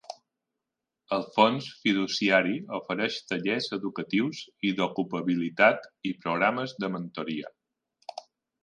El fons fiduciari ofereix tallers educatius i d'ocupabilitat i programes de mentoria.